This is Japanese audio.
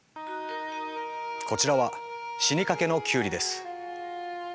こちらは死にかけのキュウリです。